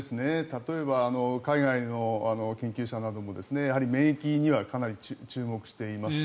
例えば、海外の研究者なども免疫にはかなり注目しています。